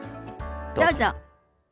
どうぞ。